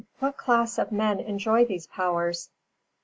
_What class of men enjoy these powers?